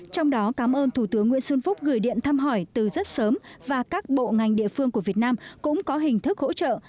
trong đó cảm ơn thủ tướng nguyễn xuân phúc gửi điện thăm hỏi từ rất sớm và các bộ ngành địa phương của việt nam cũng có hình thức hỗ trợ